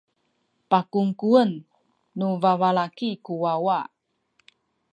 pakungkuen nu babalaki ku wawa.